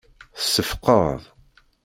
Tseffqeḍ.